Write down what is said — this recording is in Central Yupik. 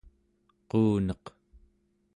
quuneq